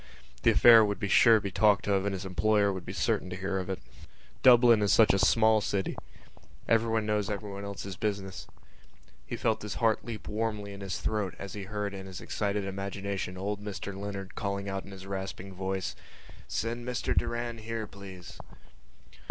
The affair would be sure to be talked of and his employer would be certain to hear of it. Dublin is such a small city: everyone knows everyone else's business. He felt his heart leap warmly in his throat as he heard in his excited imagination old Mr Leonard calling out in his rasping voice: "Send Mr Doran here, please."